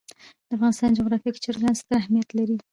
د افغانستان جغرافیه کې چرګان ستر اهمیت لري.